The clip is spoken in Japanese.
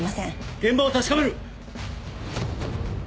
現場を確かめる！